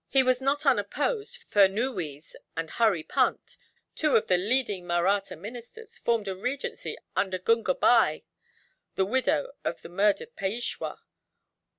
"He was not unopposed, for Nana Furnuwees and Hurry Punt, two of the leading Mahratta ministers, formed a regency under Gunga Bye, the widow of the murdered Peishwa.